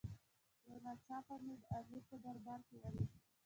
یو ناڅاپه مې د امیر په دربار کې ولید.